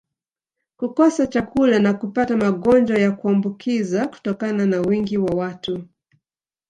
kukosa chakula na kupata magonjwa ya kuambukiza kutokana na wingi wa watu